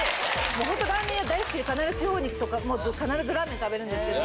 もうホントラーメン屋大好きで必ず地方に行くと必ずラーメン食べるんですけど。